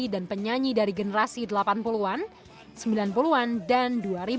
dan penyanyi dari generasi delapan puluh an sembilan puluh an dan dua ribu